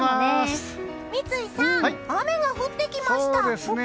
三井さん、雨が降ってきました！